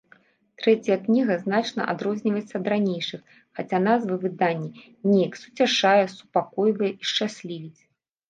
Трэцяя кніга значна адрозніваецца ад ранейшых, хаця назва выдання неяк суцяшае, супакойвае і шчаслівіць.